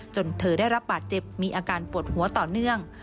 เธอได้รับบาดเจ็บมีอาการปวดหัวต่อเนื่อง